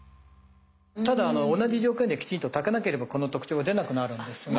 ただ同じ条件できちんと炊かなければこの特徴が出なくなるんですよね。